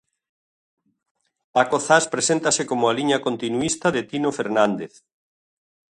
Paco Zas preséntase como a liña continuísta de Tino Fernández.